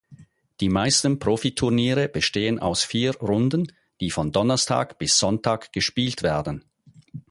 Die meisten Profiturniere bestehen aus vier Runden, die von Donnerstag bis Sonntag gespielt werden.